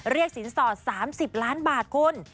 เรียกสินสอด๓๐ล้านบาทคุณ